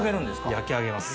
焼き上げます。